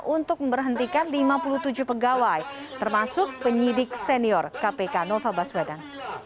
untuk memberhentikan lima puluh tujuh pegawai termasuk penyidik senior kpk nova baswedan